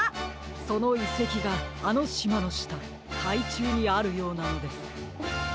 そのいせきがあのしまのしたかいちゅうにあるようなのです。